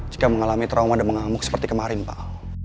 jika mengalami trauma dan mengamuk seperti kemarin pak